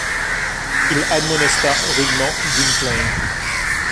Il admonesta rudement Gwynplaine.